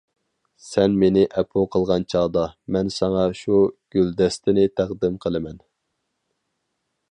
سەن مېنى ئەپۇ قىلغان چاغدا، مەن ساڭا شۇ گۈلدەستىنى تەقدىم قىلىمەن.